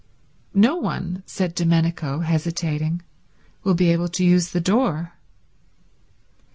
"No one," said Domenico, hesitating, "will be able to use the door."